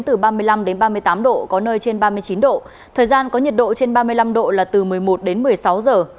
từ ba mươi năm đến ba mươi tám độ có nơi trên ba mươi chín độ thời gian có nhiệt độ trên ba mươi năm độ là từ một mươi một đến một mươi sáu giờ